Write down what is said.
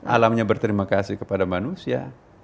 alamnya berterima kasih kepada manusia